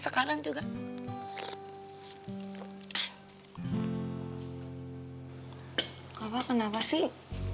sekarang juga apa apa kenapa sih